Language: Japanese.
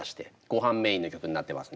ごはんメインの曲になってますね。